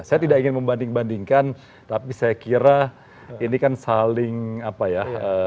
saya tidak ingin membanding bandingkan tapi saya kira ini kan saling apa ya